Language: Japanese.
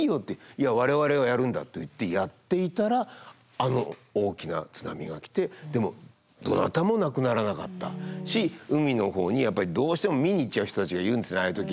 「いや我々はやるんだ」って言ってやっていたらあの大きな津波が来てでもどなたも亡くならなかったし海の方にやっぱりどうしても見に行っちゃう人たちがいるんですねああいう時。